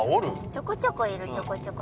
ちょこちょこいるちょこちょこ。